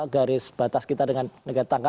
garis batas kita dengan negara tangga